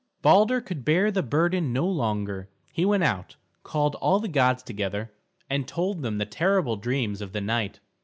Balder could bear the burden no longer. He went out, called all the gods together, and told them the terrible dreams of the night.